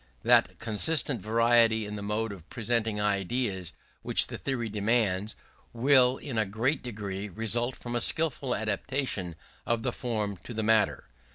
That constant variety in the mode of presenting ideas which the theory demands, will in a great degree result from a skilful adaptation of the form to the matter.